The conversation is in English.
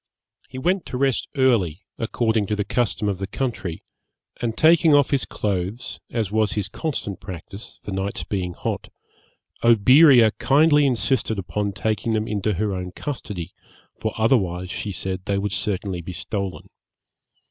He went to rest early, according to the custom of the country; and taking off his clothes, as was his constant practice, the nights being hot, Oberea kindly insisted upon taking them into her own custody, for otherwise, she said, they would certainly be stolen.